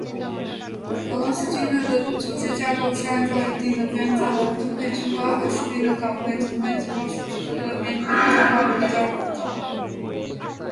俄罗斯军队的组织架构是按照一定的编制来分配军官和士兵的岗位，从班级到师级的编配情况比较复杂。以下是对俄军军官和士兵在不同级别编配情况的详细介绍：